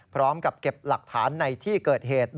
พร้อมกับเก็บหลักฐานในที่เกิดเหตุ